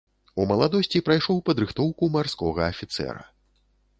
У маладосці прайшоў падрыхтоўку марскога афіцэра.